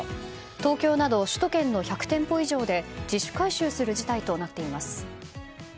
東京など首都圏の１００店舗以上で自主回収する事態となっています。